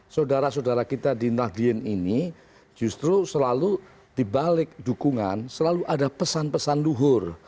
saudara saudara kita di nahdien ini justru selalu dibalik dukungan selalu ada pesan pesan luhur